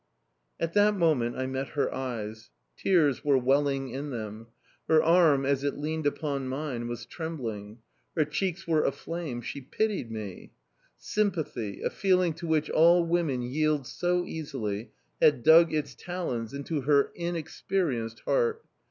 At that moment I met her eyes: tears were welling in them. Her arm, as it leaned upon mine, was trembling; her cheeks were aflame; she pitied me! Sympathy a feeling to which all women yield so easily, had dug its talons into her inexperienced heart.